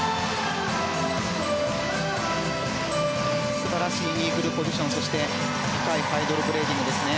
素晴らしいイーグルポジションそして、深いハイドロブレーディングですね。